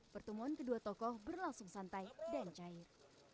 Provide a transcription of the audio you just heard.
pertemuan kedua tokoh berlangsung santai dan cair